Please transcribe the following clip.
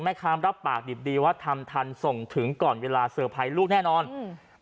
รับปากดิบดีว่าทำทันส่งถึงก่อนเวลาเซอร์ไพรส์ลูกแน่นอนอืม